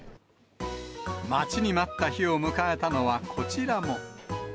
待ちに待った日を迎えたのは、こちらも。